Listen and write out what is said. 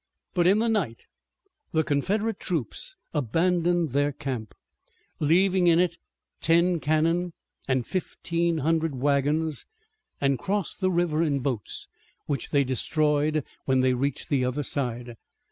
But in the night the Confederate troops abandoned their camp, leaving in it ten cannon and fifteen hundred wagons and crossed the river in boats, which they destroyed when they reached the other side.